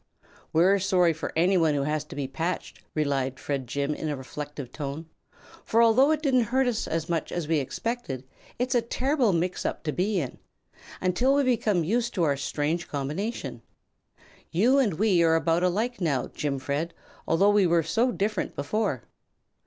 "We're sorry for anyone who has to be patched," replied Fredjim in a reflective tone, "for although it didn't hurt us as much as we expected, it's a terrible mix up to be in until we become used to our strange combination. You and we are about alike now, Jimfred, although we were so different before."